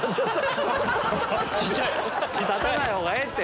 立たない方がええって！